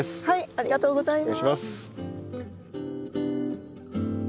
ありがとうございます。